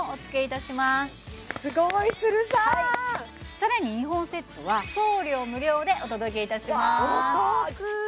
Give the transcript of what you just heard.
さらに２本セットは送料無料でお届けいたしますお得！